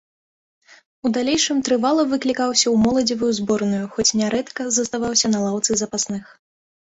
У далейшым трывала выклікаўся ў моладзевую зборную, хоць нярэдка заставаўся на лаўцы запасных.